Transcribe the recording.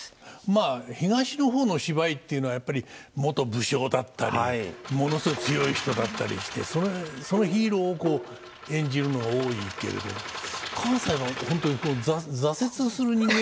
まあ東の方の芝居っていうのはやっぱり元武将だったりものすごい強い人だったりしてそのヒーローを演じるのが多いけれど関西は本当に挫折する人間を主人公にする。